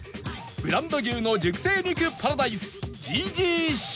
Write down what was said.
ブランド牛の熟成肉パラダイス ＧＧＣ！